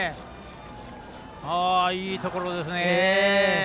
いいところですね。